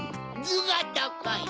ずがたかい！